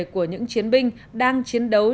của những chiến binh đang chiến đấu